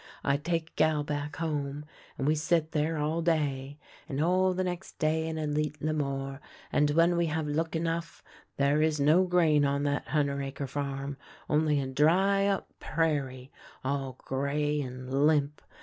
I take Gal back home, and we sit there all day, and all the nex' day, and a leetla more, and when we have look enough, there is no grain on that hunder' acre farm — only a dry up prairie, all gray and limp.